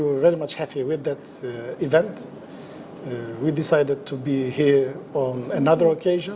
kami memutuskan untuk berada di sini di suatu kesempatan lain